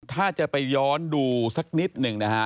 ถ้าจะไปย้อนดูสักนิดหนึ่งนะฮะ